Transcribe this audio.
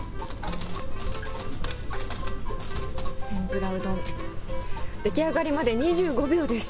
天ぷらうどん、出来上がりまで２５秒です。